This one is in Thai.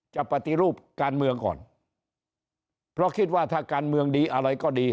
ปฏิรูปการเมืองก่อนเพราะคิดว่าถ้าการเมืองดีอะไรก็ดี